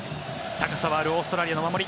高さはあるオーストラリアの守り。